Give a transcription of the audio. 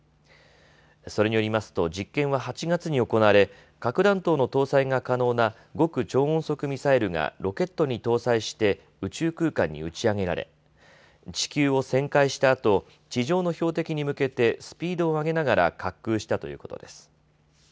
それによりますと実験は８月に行われ、核弾頭の搭載が可能な極超音速ミサイルがロケットに搭載して宇宙空間に打ち上げられ地球を旋回したあと地上の標的に向けてスピードを上げながら滑空したということです。